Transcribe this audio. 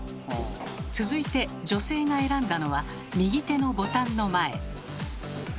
続いて女性が選んだのは右手のボタンの前。